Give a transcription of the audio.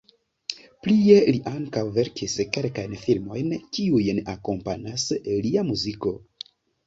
Plie li ankaŭ verkis kelkajn filmojn kiujn akompanas lia muziko.